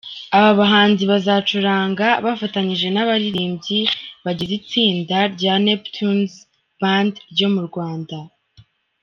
Aba bahanzi bazacuranga bafatanyije n’abaririmbyi bagize itsinda rya Neptunez Band ryo mu Rwanda.